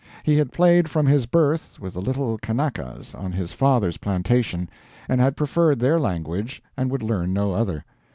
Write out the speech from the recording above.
He had played from his birth with the little Kanakas on his father's plantation, and had preferred their language and would learn no other.